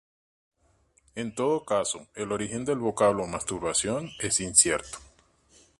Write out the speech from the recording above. En todo caso, el origen del vocablo "masturbación" es incierto.